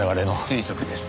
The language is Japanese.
推測です。